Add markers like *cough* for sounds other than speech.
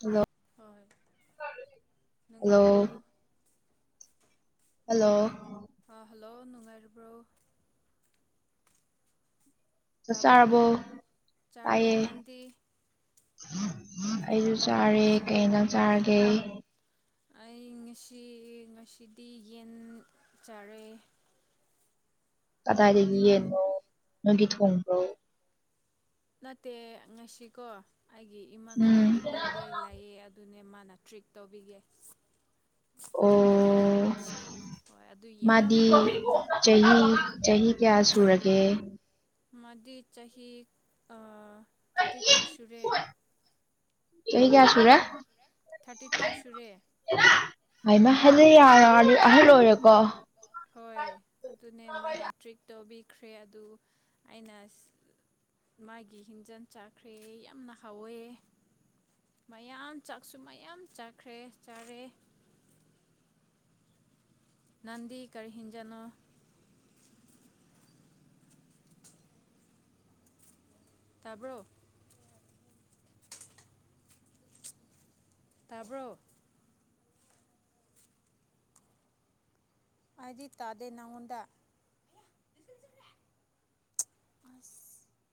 hello ꯍꯣꯏ hello ꯅꯨꯡꯉꯥꯏꯕ꯭ꯔꯣ hello hello ꯅꯨꯡꯉꯥꯏꯔꯕ꯭ꯔꯣ ꯆꯥꯛ ꯇꯕ꯭ꯔꯣ ꯆꯥꯔꯕꯣ ꯆꯔꯦ ꯇꯥꯏꯌꯦ ꯅꯅꯥꯟꯗꯤ ꯑꯩꯁꯨ ꯆꯥꯔꯦ ꯀꯩꯅ ꯆꯥꯡꯆꯔꯒꯦ ꯑꯩ ꯉꯁꯤ ꯉꯁꯤꯗꯤ ꯌꯦꯟ ꯆꯥꯔꯦ ꯀꯗꯥꯏꯗꯒꯤꯗꯒꯤ ꯌꯦꯅꯣ ꯅꯣꯏꯒꯤ ꯊꯣꯡ꯭ꯔꯣ ꯅꯠꯇꯦ ꯉꯁꯤꯀꯣ ꯑꯩꯒꯤ ꯎꯝ ꯏꯃꯥꯟꯅꯨꯕꯤꯒꯤ ꯕꯥꯔꯗꯦ ꯂꯑꯦ ꯑꯗꯨꯅꯦ ꯃꯥ ꯅ ꯇ꯭ꯔꯤꯛ ꯇꯧꯕꯤꯒꯦ ꯑꯣ ꯑꯩꯉꯣꯟꯗ ꯍꯣꯏ ꯑꯗꯨ ꯌꯥꯝ ꯃꯥꯗꯤ ꯍꯥꯎꯋꯦ ꯆꯍꯤ ꯆꯍꯤ ꯀꯌꯥ ꯁꯨꯔꯒꯦ ꯃꯗꯤ ꯆꯍꯤ ꯊꯥꯔꯇꯤ ꯇꯨ ꯁꯨꯔꯦ ꯆꯍꯤ ꯀꯌꯥ ꯁ ꯔꯦ ꯊꯥꯔꯇꯤ ꯇꯨ ꯁꯨꯔꯦ ꯍꯥꯏꯃ ꯍꯥꯏꯗꯤꯛ ꯑꯍꯜ ꯑꯣꯏꯣꯏꯔꯦꯀꯣ ꯍꯣꯏ ꯑꯗꯨꯅꯦ ꯃꯥꯅ ꯇ꯭ꯔꯤꯛ ꯇꯧꯕꯤꯈ꯭ꯔꯦ ꯑꯗꯨ ꯑꯩꯅ ꯃꯥꯒꯤ ꯍꯤꯡꯖꯥꯡ ꯆꯥꯈ꯭ꯔꯦ ꯌꯥꯝꯅ ꯍꯥꯎꯋꯦ ꯃꯌꯥꯝ ꯆꯥꯛꯁꯨ ꯃꯌꯥꯝ ꯆꯥꯈ꯭ꯔꯦ ꯆꯥꯔꯦ ꯅꯟꯗꯤ ꯀꯔꯤ ꯍꯤꯡꯖꯅꯣ ꯇꯥꯕ꯭ꯔꯣ ꯇꯥꯕ꯭ꯔꯣ ꯍꯥꯏꯗꯤ ꯇꯥꯗꯦ ꯅꯅꯥꯉꯣꯟꯗ ꯑ *inaudible*